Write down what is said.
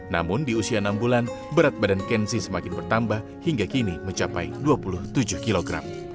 namun di usia enam bulan berat badan kenzi semakin bertambah hingga kini mencapai dua puluh tujuh kg